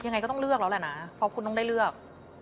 ยังไงก็ต้องเลือกแล้วแหละนะเพราะคุณต้องได้เลือก